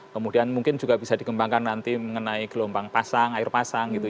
kemudian mungkin juga bisa dikembangkan nanti mengenai gelombang pasang air pasang gitu